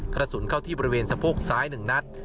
กระสุนเข้าที่บริเวณสะโพกซ้าย๑นัด